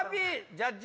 ジャッジ